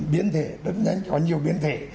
biến thể rất nhanh có nhiều biến thể